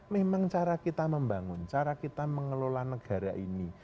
memang cara kita membangun cara kita mengelola negara ini